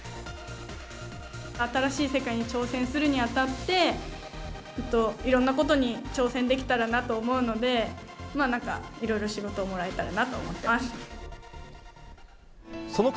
新しい世界に挑戦するにあたって、いろんなことに挑戦できたらなと思うので、いろいろ仕事をもらえたらなと思ってます。